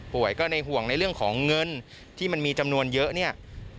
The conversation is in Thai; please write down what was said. ก็ในห่วงในเรื่องของเงินที่มันมีจำนวนเยอะเนี่ย